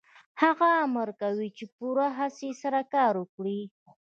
هغه امر کوي چې په پوره هڅې سره کار وکړئ